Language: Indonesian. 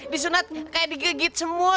disunat kayak digegit semut